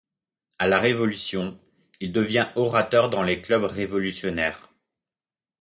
À la Révolution, il devient orateur dans les clubs révolutionnaires.